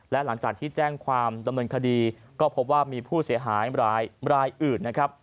และหลังจากที่แจ้งความดำเนินคดีก็พบว่ามีผู้เสียหายรายอื่นนะครับ